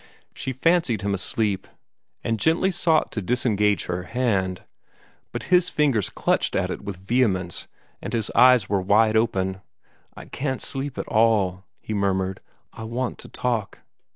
She fancied him asleep, and gently sought to disengage her hand, but his fingers clutched at it with vehemence, and his eyes were wide open. "I can't sleep at all," he murmured. "I want to talk."